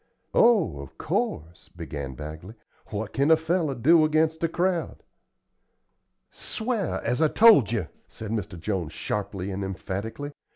"Oh, of course," began Bagley. "What kin one feller do against a crowd?" "Sw'ar, as I told you," said Mr. Jones, sharply and emphatically.